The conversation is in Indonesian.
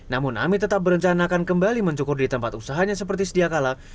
namun ami tetap berencanakan kembali mencukur di tempat usahanya seperti sedia kala